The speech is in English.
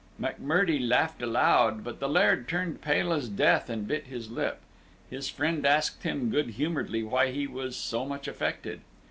McMurdie laughed aloud, but the Laird turned pale as death and bit his lip. His friend asked him good humoredly why he was so much affected.